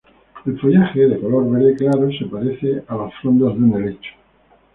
El follaje, de color verde claro, se parece a las frondas de un helecho.